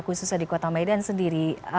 khususnya di kota medan sendiri